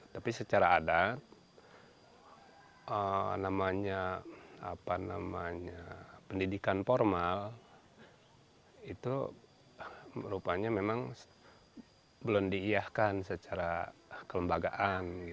tapi secara adat pendidikan formal itu rupanya memang belum diiyahkan secara kelembagaan